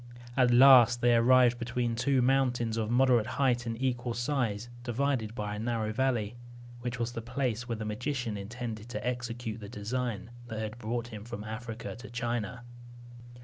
At last they arrived between two mountains of moderate height and equal size, divided by a narrow valley, which was the place where the magician intended to execute the design that had brought him from Africa to China.